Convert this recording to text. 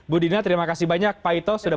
budina terima kasih banyak pak ito sudah